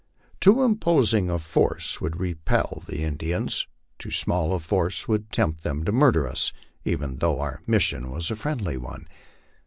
Too imposing a force would repel the Indians ; too small a force would tempt them to murder us, even though our mission was a friendly one.